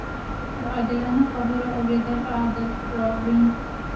د عادلانه خبرو اورېدل عدل راولي